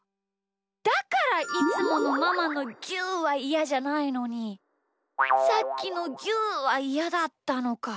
だからいつものママのぎゅうはイヤじゃないのにさっきのぎゅうはイヤだったのか。